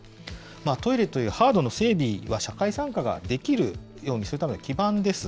トイレというハードの整備は社会参加ができるようにするための基盤です。